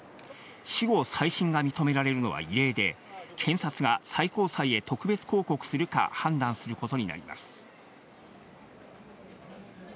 死後、再審が認められるのは異例で、検察が最高裁へ特別抗告するか判断することになります。